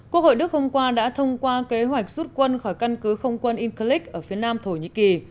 quốc hội đức hôm qua đã thông qua kế hoạch rút quân khỏi căn cứ không quân imcleak ở phía nam thổ nhĩ kỳ